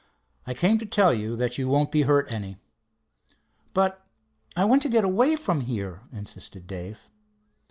"I came to tell you that you won't be hurt any." "But I want to get away from here," insisted Dave.